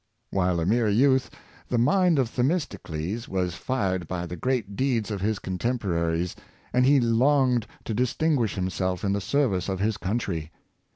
While a mere youth, the mind of Themistocles was fired by the great deeds of his contemporaries, and he longed to distinguish himself in the service of his coun try.